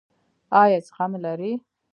ایا زغم لرئ؟